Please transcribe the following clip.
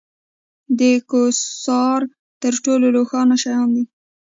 د کواسار تر ټولو روښانه شیان دي.